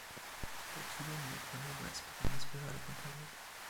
Der Zugang wird von der US-Gefängnisbehörde kontrolliert.